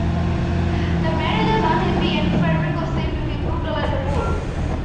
The marriage was unhappy, and Frederick was said to be "brutal" and "a boor".